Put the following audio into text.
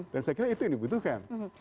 dan saya kira itu yang dibutuhkan